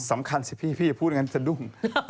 สำคัญสิพี่พี่พูดอย่างนั้นสะดุ้ง